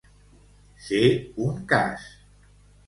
Ser un cas.